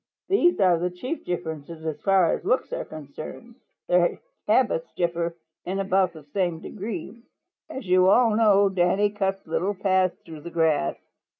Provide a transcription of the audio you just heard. "These are the chief differences as far as looks are concerned. Their habits differ in about the same degree. As you all know, Danny cuts little paths through the grass.